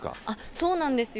そうなんですよ。